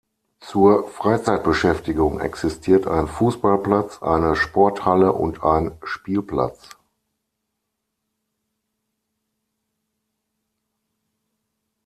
Zur Freizeitbeschäftigung existiert ein Fußballplatz, eine Sporthalle und ein Spielplatz.